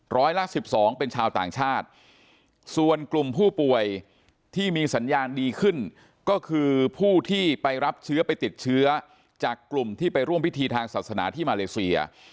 ร้อยละ๑๒เป็นชาวต่างชาติส่วนกลุ่มผู้ป่วยที่มีสัญญาณดีขึ้นก็คือผู้ที่ไปรับเชื้อไปติดเชื้อจากกลุ่มที่ไปร่วมพิธีทางศาสนาที่มาเลเซีย